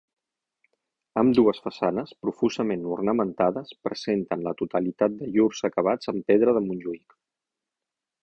Ambdues façanes, profusament ornamentades, presenten la totalitat de llurs acabats en pedra de Montjuïc.